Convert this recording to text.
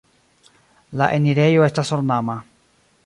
La enirejo estas ornama.